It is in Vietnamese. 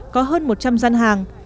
có hơn một trăm linh gian hàng